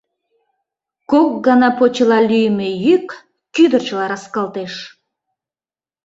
Кок гана почела лӱйымӧ йӱк кӱдырчыла раскалтеш.